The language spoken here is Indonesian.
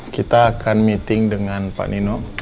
kita akan meeting dengan pak nino